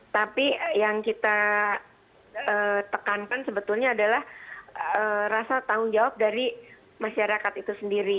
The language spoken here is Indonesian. tapi yang kita tekankan sebetulnya adalah rasa tanggung jawab dari masyarakat itu sendiri